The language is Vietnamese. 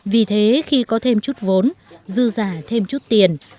vì thế khi có thêm chút vốn dư giả thêm chút tiền